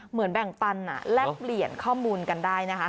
เหมือนแบ่งปันแลกเปลี่ยนข้อมูลกันได้นะคะ